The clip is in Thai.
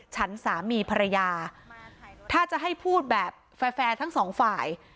ฉันสามีภรรยาถ้าจะให้พูดแบบแฟร์ทั้งสองฝ่าย